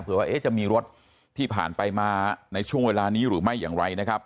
ว่าจะมีรถที่ผ่านไปมาในช่วงเวลานี้หรือไม่อย่างไรนะครับ